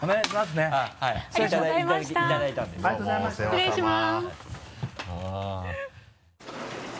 失礼します。